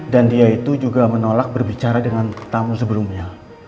dan dia itu juga menolak berbicara dengan tamu sebelumnya